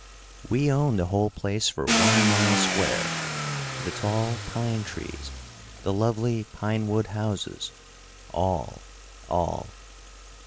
We own the whole place for one mile square the tall pine trees, the lovely pine wood houses; all, all.